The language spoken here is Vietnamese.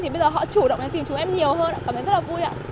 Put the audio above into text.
thì bây giờ họ chủ động đến tìm chúng em nhiều hơn cảm thấy rất là vui ạ